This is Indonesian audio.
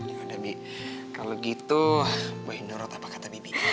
yaudah bibi kalau gitu gue menurut apa kata bibi